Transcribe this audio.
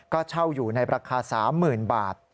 ก็เช่าอยู่ในราคา๓๐๐๐บาท